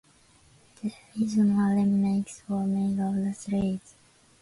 Two regional remakes were made of the series.